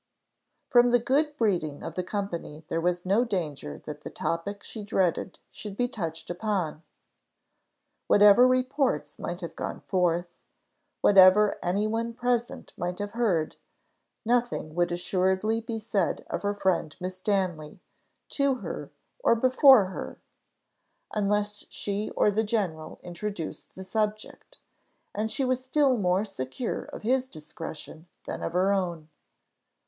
From the good breeding of the company there was no danger that the topic she dreaded should be touched upon. Whatever reports might have gone forth, whatever any one present might have heard, nothing would assuredly be said of her friend Miss Stanley, to her, or before her, unless she or the general introduced the subject; and she was still more secure of his discretion than of her own.